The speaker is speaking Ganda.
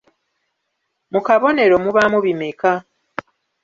Mu kabonero mubaamu bimeka?